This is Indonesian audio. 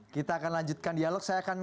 kita akan lanjutkan dialog saya akan